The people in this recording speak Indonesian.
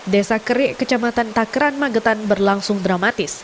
desa kerik kecamatan takran magetan berlangsung dramatis